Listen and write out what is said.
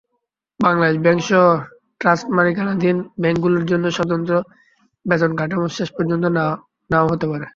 বাংলাদেশ ব্যাংকসহ রাষ্ট্রমালিকানাধীন ব্যাংকগুলোর জন্য স্বতন্ত্র বেতনকাঠামো শেষ পর্যন্ত না-ও হতে পারে।